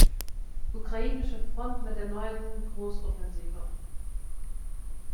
Ukrainische Front mit der neuen Großoffensive.